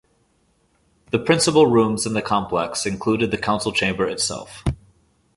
The principal rooms in the complex included the council chamber itself.